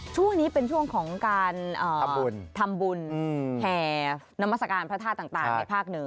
ช่วงนี้เป็นช่วงของการทำบุญแห่นมัศกาลพระธาตุต่างในภาคเหนือ